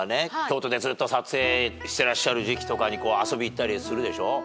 京都でずっと撮影してらっしゃる時期とかに遊び行ったりするでしょ？